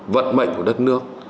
vận mệnh của đất nước